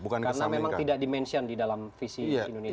karena memang tidak dimention di dalam visi indonesia ini